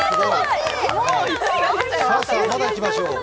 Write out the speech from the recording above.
まだいきましょう。